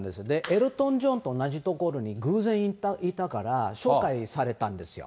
エルトン・ジョンと同じ所に偶然いたから、紹介されたんですよ。